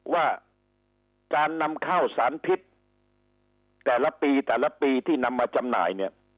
ว่าการนำข้าวสารพิษแต่ละปีแต่ละปีที่นำมาจำหน่ายเนี่ย